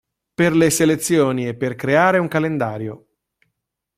Per le selezioni e per creare un calendario.